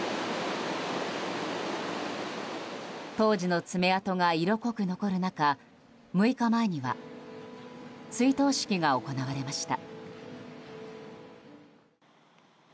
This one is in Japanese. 当時の爪痕が色濃く残る中６日前には追悼式が行われました。